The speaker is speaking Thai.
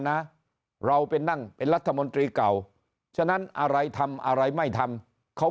นะเราไปนั่งเป็นรัฐมนตรีเก่าฉะนั้นอะไรทำอะไรไม่ทำเขา